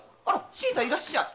新さんいらっしゃい。